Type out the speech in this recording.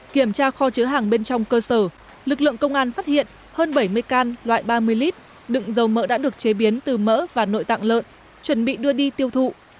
kiểm tra kho chứa hàng bên trong cơ sở lực lượng công an phát hiện hơn bảy mươi can loại ba mươi lít đựng dầu mỡ đã được chế biến từ mỡ và nội tạng lợn chuẩn bị đưa đi tiêu thụ